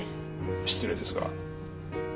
失礼ですが。